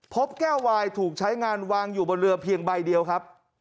พบแก้ววายถูกใช้งานวางอยู่บนเรือเพียงใบเดียวครับ